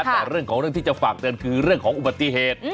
แต่เรื่องของเรื่องที่จะฝากเตือนคือเรื่องของอุบัติเหตุ